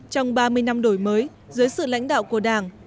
trong ba mươi năm đổi mới dưới sự lãnh đạo của đảng